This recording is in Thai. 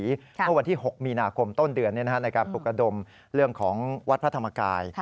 เมื่อวันที่๖มีนาคมต้นเดือนในการปลุกระดมเรื่องของวัดพระธรรมกาย